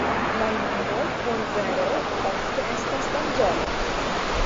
La lumo por vero ofte estas danĝero.